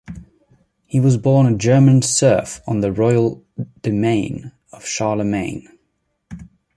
He was born a German serf on the royal demesne of Charlemagne.